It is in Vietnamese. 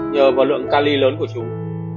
nhờ vào lượng ca ly lớn của chúng